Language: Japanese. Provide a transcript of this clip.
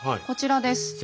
こちらです。